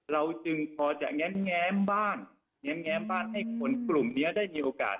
เราจึงพอจะแง้มบ้านแง้มบ้านให้คนกลุ่มนี้ได้มีโอกาส